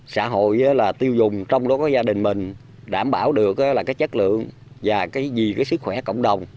xã hội là tiêu dùng trong đó có gia đình mình đảm bảo được là cái chất lượng và cái gì cái sức khỏe cộng đồng